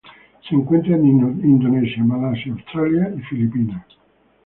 Se encuentran en Indonesia, Malasia, Australia y Filipinas.